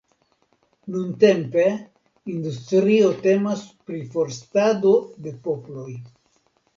Nuntempa industrio temas pri forstado de poploj.